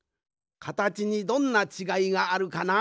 かたちにどんなちがいがあるかな？